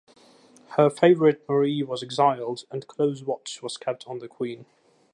Her favourite Marie was exiled and close watch was kept on the queen.